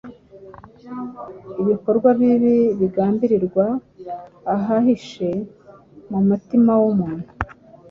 ibikorwa bibi bigambirirwa ahahishe mu mutima w’umuntu